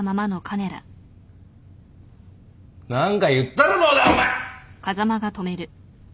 何か言ったらどうだお前！